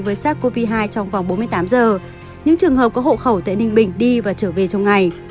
với sars cov hai trong vòng bốn mươi tám giờ những trường hợp có hộ khẩu tại ninh bình đi và trở về trong ngày